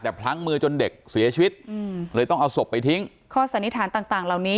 แต่พลั้งมือจนเด็กเสียชีวิตอืมเลยต้องเอาศพไปทิ้งข้อสันนิษฐานต่างต่างเหล่านี้